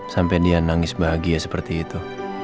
sampai dia nangis bahagia seperti itu